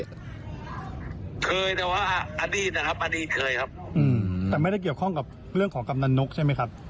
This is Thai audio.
เคยแต่ว่าอดีตนะครับอดีตเคยครับแต่ไม่ได้เกี่ยวข้องกับเรื่องของกำนันนกใช่ไหมครับ